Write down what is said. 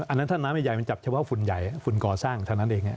อันนั้นถ้าน้ำใหญ่มันจับเฉพาะฝุ่นใหญ่ฝุ่นก่อสร้างเท่านั้นเอง